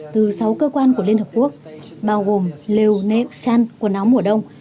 từ sáu cơ quan của liên hợp quốc bao gồm lều nệm chăn quần áo mùa đông